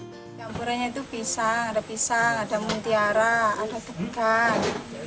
campurannya itu pisang ada pisang ada mutiara ada tekan